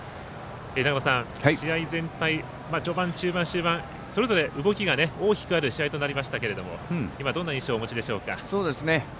長野さん、試合全体序盤、中盤、終盤それぞれ動きが大きくある試合となりましたけど今、どんな印象をお持ちでしょうか？